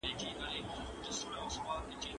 کابل د ميلمه پالنې او رښتینې افغاني جذبې ځای دی.